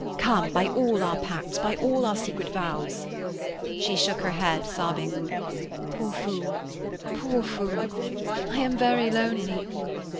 Come! By all our pacts. By all our secret vows.' She shook her head, sobbing: 'Poor fool. Poor fool. I am very lonely.'